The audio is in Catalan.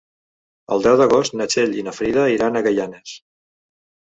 El deu d'agost na Txell i na Frida iran a Gaianes.